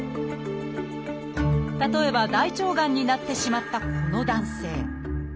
例えば大腸がんになってしまったこの男性。